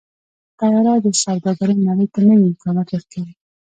طیاره د سوداګرۍ نړۍ ته نوي امکانات ورکوي.